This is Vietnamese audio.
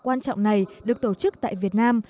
quan trọng này được tổ chức tại việt nam